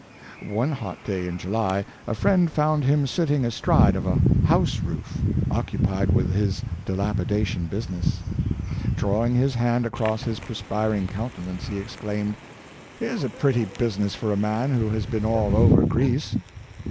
One hot day in July a friend found him sitting astride of a house roof occupied with his dilapidation business. Drawing his hand across his perspiring countenance, he exclaimed, " Here's a pretty business for a man who has been all over Greece!